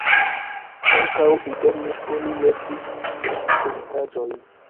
Ankaŭ interne oni metis skulptaĵojn.